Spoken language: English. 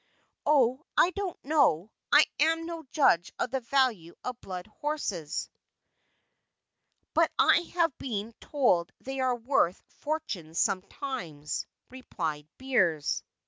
"Oh, I don't know; I am no judge of the value of blood horses, but I have been told they are worth fortunes sometimes," replied Beers.